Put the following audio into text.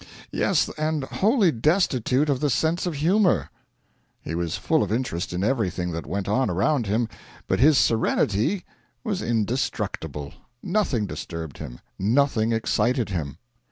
Yes, and wholly destitute of the sense of humour. He was full of interest in everything that went on around him, but his serenity was indestructible; nothing disturbed him, nothing excited him.